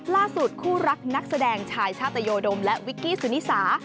ล่าสุดคู่รักนักแสดงชายชาตโตโยโดมและวิกกี้สุนิสา